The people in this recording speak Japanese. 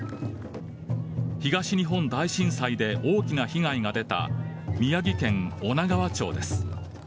東日本大震災で大きな被害が出た宮城県女川町です。